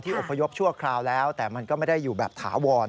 อบพยพชั่วคราวแล้วแต่มันก็ไม่ได้อยู่แบบถาวร